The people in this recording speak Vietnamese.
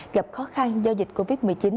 gặp khó khăn do dịch covid một mươi chín